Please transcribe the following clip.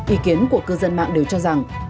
ý kiến của cư dân mạng đều cho rằng